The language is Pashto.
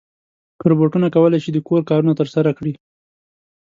روبوټونه کولی شي د کور کارونه ترسره کړي.